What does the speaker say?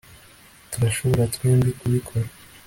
turashobora twembi kubikora